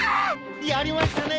やりましたね！